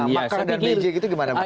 maka dari beijing itu gimana